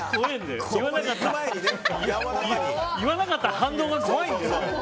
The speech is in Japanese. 言わなかった反動が怖いんだよ。